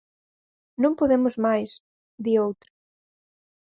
"Non podemos máis", di outra.